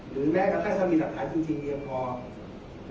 หรือแม้และถ้าจะมีแสดงตัวจริงเรียนพอ